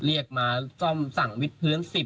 เรียกมาซ่อมสั่งวิดพื้น๑๐